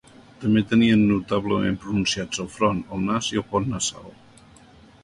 També tenien notablement pronunciats el front, el nas i el pont nasal.